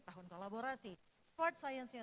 tahun kolaborasi sport science nya